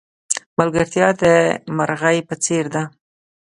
ملگرتیا د مرغی په څېر ده.